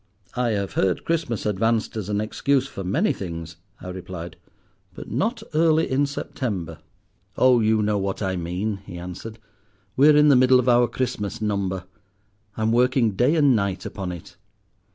"I have heard Christmas advanced as an excuse for many things," I replied, "but not early in September." "Oh, you know what I mean," he answered, "we are in the middle of our Christmas number. I am working day and night upon it.